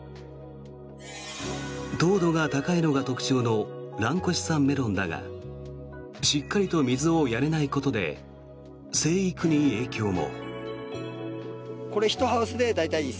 糖度が高いのが特徴の蘭越産メロンだがしっかりと水をやれないことで生育に影響も。